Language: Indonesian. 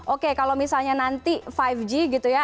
oke kalau misalnya nanti lima g gitu ya